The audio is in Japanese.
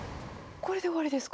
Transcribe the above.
これで終わりですか？